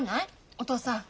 お父さん。